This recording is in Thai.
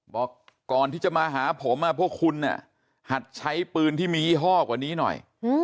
บอกก่อนที่จะมาหาผมพวกคุณหัดใช้ปืนที่มียี่ห้อกว่านี้หน่อย